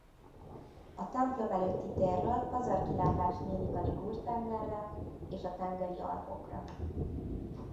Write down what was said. A templom előtti térről pazar kilátás nyílik a Ligur-tengerre és a Tengeri-Alpokra.